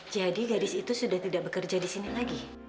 jadi gadis itu sudah tidak bekerja di sini lagi